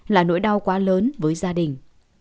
là nỗi đau quá lớn với gia đình